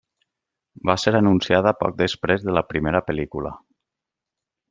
Va ser anunciada poc després de la primera pel·lícula.